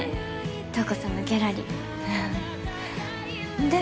瞳子さんのギャラリーで？